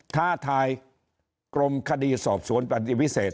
ท้าทายกรมคดีสอบสวนปฏิวิเศษ